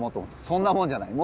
そんなもんじゃない。